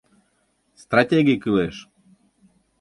Стратегий кӱлеш!